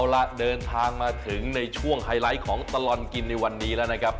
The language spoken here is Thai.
เอาล่ะเดินทางมาถึงในช่วงไฮไลท์ของตลอดกินในวันนี้แล้วนะครับ